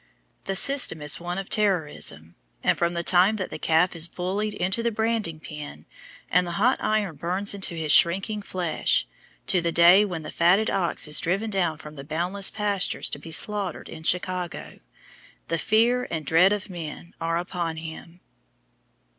The system is one of terrorism, and from the time that the calf is bullied into the branding pen, and the hot iron burns into his shrinking flesh, to the day when the fatted ox is driven down from his boundless pastures to be slaughtered in Chicago, "the fear and dread of man" are upon him.